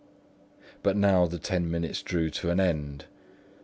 But now the ten minutes drew to an end.